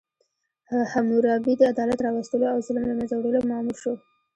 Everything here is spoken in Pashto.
حموربي د عدالت راوستلو او ظلم له منځه وړلو مامور شو.